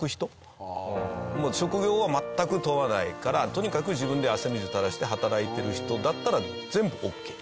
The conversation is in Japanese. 職業は全く問わないからとにかく自分で汗水垂らして働いてる人だったら全部オッケー。